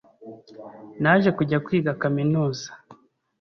Naje kujya kwiga kaminuza